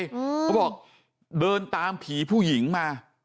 เขาบอกเดินตามผีผู้หญิงมา